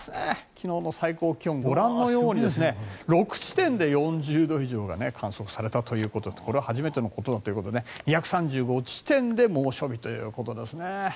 昨日の最高気温、ご覧のように６地点で４０度以上が観測されたということでこれは初めてのことだということで２３５地点で猛暑日ということですね。